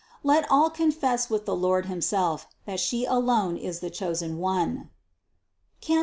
Let all confess with the Lord Himself, that She alone is the chosen One (Cant.